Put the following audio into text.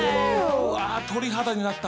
うわ鳥肌になった。